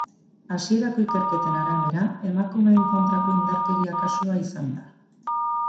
Hasierako ikerketen arabera, emakumeen kontrako indarkeria kasua izan da.